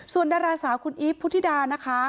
ส่วนดาราสาวคุณอีฟพุธิดานะคะ